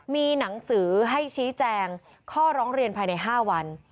มีหนังสือให้ชี้แจงข้อร้องเรียนภายใน๕วัน